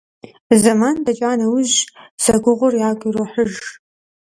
Зэман дэкӀа нэужь, зэгугъур ягу ирохьыж.